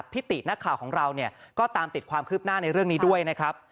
ตินักข่าวของเราเนี่ยก็ตามติดความคืบหน้าในเรื่องนี้ด้วยนะครับ